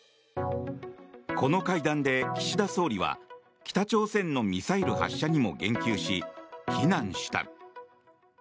この会談で岸田総理は北朝鮮のミサイル発射にも言及し非難した。